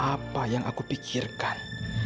apa yang aku pikirkan